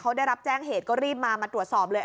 เขาได้รับแจ้งเหตุก็รีบมามาตรวจสอบเลย